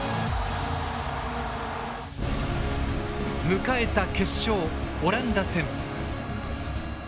迎えた決勝オランダ戦。